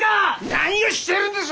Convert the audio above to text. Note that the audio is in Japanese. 何をしているんです！？